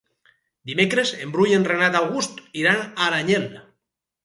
Dimecres en Bru i en Renat August iran a Aranyel.